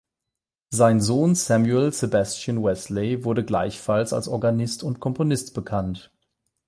Sein Sohn Samuel Sebastian Wesley wurde gleichfalls als Organist und Komponist bekannt.